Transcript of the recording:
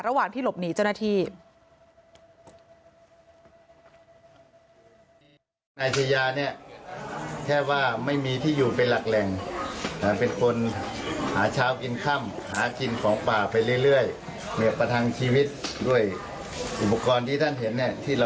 ระหว่างที่หลบหนีเจ้าหน้าที่